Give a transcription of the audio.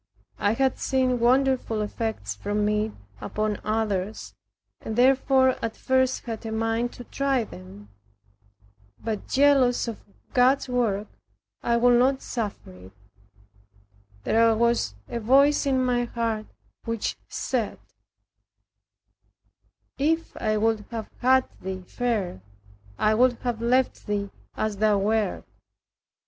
I had seen wonderful effects from it upon others, and therefore at first had a mind to try them. But, jealous of God's work, I would not suffer it. There was a voice in my heart which said, "If I would have had thee fair, I would have left thee as thou wert."